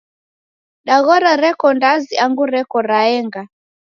Daghora reko ndazi angu reko raenga?